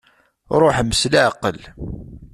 Ṛuḥem s leɛqel.